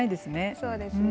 そうですね。